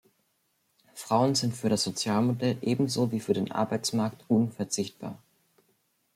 Frauen sind für das Sozialmodell ebenso wie für den Arbeitsmarkt unverzichtbar.